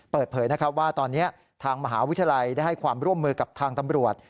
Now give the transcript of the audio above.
เปิดเผยนะครับว่าตอนนี้ทางมหาวิทยาลัยได้ให้ความร่วมมือกับทางตำรวจ